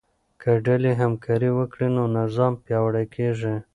که ډلې همکاري وکړي نو نظام پیاوړی کیږي.